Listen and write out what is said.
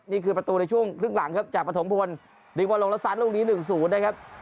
นี่คือประตูในช่วงครึ่งหลังครับจากประถงพลลิกมาลงแล้วซัดลูกนี้หนึ่งสูตรนะครับ